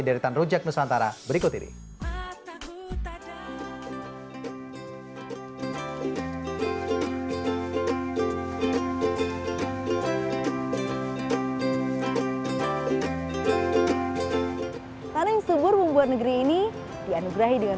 deretan rujak nusantara berikut ini tanah yang subur membuat negeri ini dianugerahi dengan